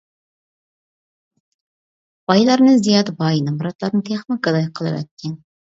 بايلارنى زىيادە باي، نامراتلارنى تېخىمۇ گاداي قىلىۋەتكەن.